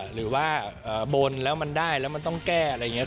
หรือว่าบนแล้วมันได้แล้วมันต้องแก้อะไรอย่างนี้